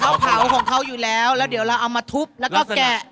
เขาเผาของเขาอยู่แล้วแล้วเดี๋ยวเราเอามาทุบแล้วก็แกะ